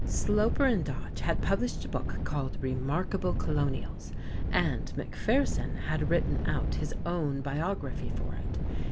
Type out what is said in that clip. Sloper and Dodge had published a book called "Remarkable Colonials", and Macpherson had written out his own biography for it.